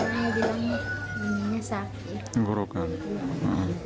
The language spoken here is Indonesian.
jadi kasih minum air dia minum tapi sambil tarik tarik nafas